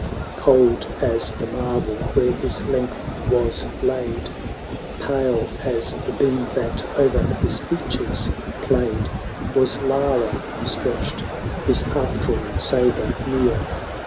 210 Cold as the marble where his length was laid. Pale as the beam that o'er his features played Was Lara stretched; his half drawn sabre near.